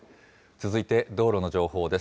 続いて道路の情報です。